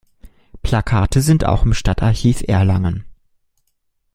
Plakate sind auch im Stadtarchiv Erlangen.